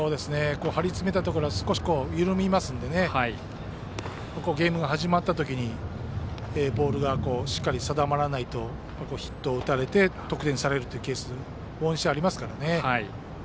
張り詰めたところが少し緩みますのでゲームが始まった時にボールがしっかり定まらないとヒットを打たれて得点にされるケースが往々にしてありますからね。